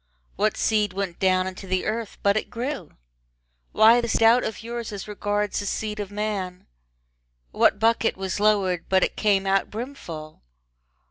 What seed went down into the earth but it grew? Why this doubt of yours as regards the seed of man? What bucket was lowered but it came out brimful?